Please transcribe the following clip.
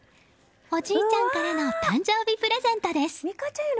おじいちゃんからの誕生日プレゼントです。